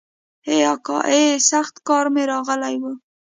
ای اکا ای سخت قار مې راغلی و.